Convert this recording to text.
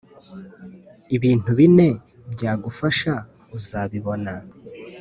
Ibintu bine byagufasha uzabibona